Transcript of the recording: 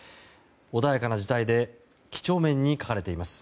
穏やかな字体で几帳面に書かれています。